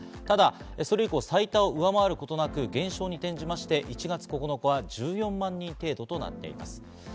ただそれ以降最多を上回ることなく減少に転じて１月９日は１４万人程度となっています。